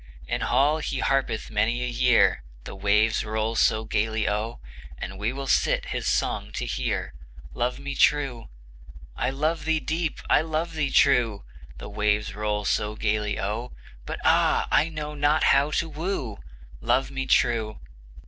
In hall he harpeth many a year, The waves roll so gayly O, And we will sit his song to hear, Love me true! "I love thee deep, I love thee true," The waves roll so gayly O, "But ah! I know not how to woo," Love me true!